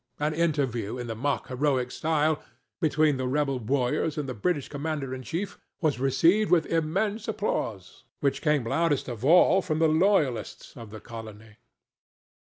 An interview in the mock heroic style between the rebel warriors and the British commander in chief was received with immense applause, which came loudest of all from the loyalists of the colony.